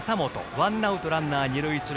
ワンアウトランナー、二塁一塁。